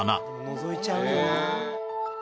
のぞいちゃうよな。